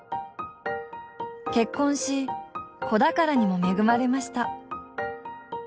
結婚し子宝にも恵まれました。